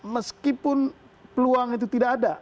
meskipun peluang itu tidak ada